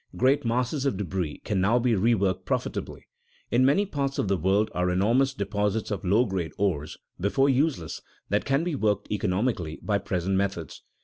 Great masses of debris can now be reworked profitably. In many parts of the world are enormous deposits of low grade ores, before useless, that can be worked economically by present methods.